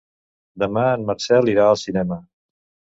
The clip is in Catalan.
Demà en Marcel irà al cinema.